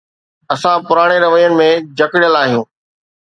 اسان پراڻي روين ۾ جڪڙيل آهيون.